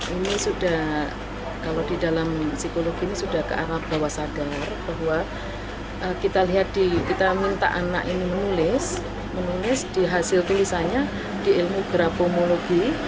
ini sudah kalau di dalam psikologi ini sudah ke arah bawah sadar bahwa kita lihat di kita minta anak ini menulis menulis di hasil tulisannya di ilmu grafomologi